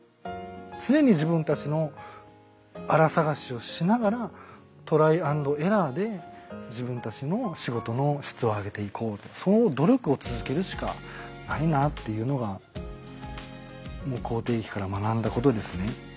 常に自分たちのあら探しをしながらトライ＆エラーで自分たちの仕事の質を上げていこうってその努力を続けるしかないなっていうのがもう口てい疫から学んだことですね。